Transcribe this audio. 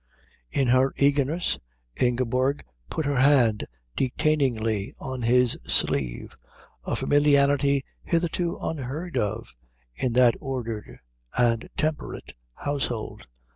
In her eagerness Ingeborg put her hand detainingly on his sleeve, a familiarity hitherto unheard of in that ordered and temperate household.